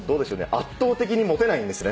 圧倒的にモテないんですね